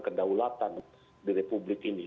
kedaulatan di republik ini